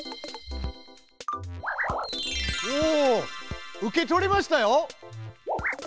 おおっ受け取りましたよ！